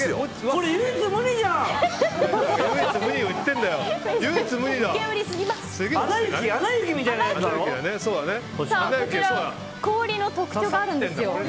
こちらは氷に特徴があるんです。